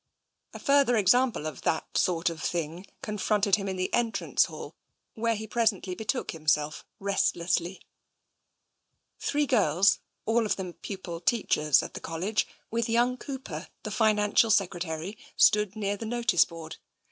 A further example of " that sort of thing " con fronted him in the entrance hall, where he presently be took himself restlessly. Three girls, all of them pupil teachers of the College, with young Cooper, the Financial Secretary, stood near the notice board.